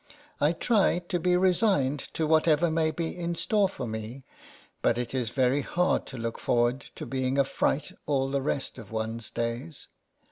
I try to be resigned to whatever may be in store for me, but it is very hard to look forward to being a fright all the rest of one's days.